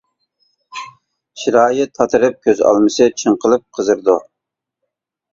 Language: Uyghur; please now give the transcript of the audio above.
چىرايى تاتىرىپ، كۆز ئالمىسى چىڭقىلىپ قىزىرىدۇ.